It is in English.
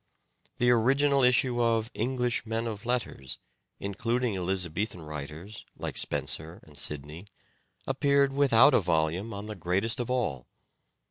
The original issue of " English Men of Letters," including Elizabethan writen, like 92 " SHAKESPEARE " IDENTIFIED Spenser and Sidney, appeared without a volume on the greatest of all.